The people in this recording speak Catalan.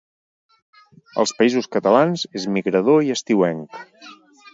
Als Països Catalans és migrador i estiuenc.